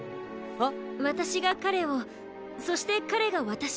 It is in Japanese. あっ。